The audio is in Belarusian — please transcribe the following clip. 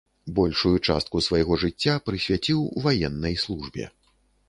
Большую частку свайго жыцця прысвяціў ваеннай службе.